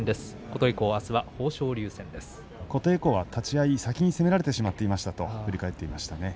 琴恵光は立ち合い先に攻められてしまったと振り返っていました。